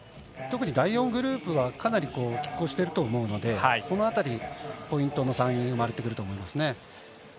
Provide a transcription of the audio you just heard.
特に第４グループはかなり、きっ抗してると思うのでその辺りポイントの差に生まれてくると思います。